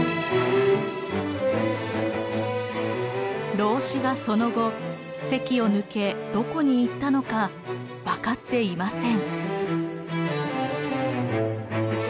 老子がその後関を抜けどこに行ったのか分かっていません。